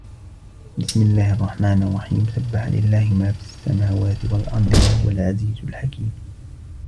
بِسْمِ اللَّهِ الرَّحْمَنِ الرَّحِيمِ سَبَّحَ لِلَّهِ مَا فِي السَّمَاوَاتِ وَالْأَرْضِ وَهُوَ الْعَزِيزُ الْحَكِيمُ